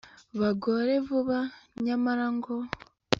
bagore vuba, nyamara ngo